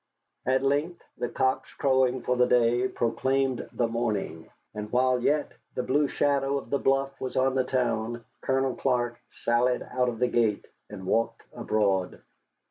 At length the cocks crowing for day proclaimed the morning, and while yet the blue shadow of the bluff was on the town, Colonel Clark sallied out of the gate and walked abroad.